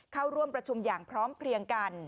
เข้าร่วมประชุมอย่างพร้อมเพลียงกัน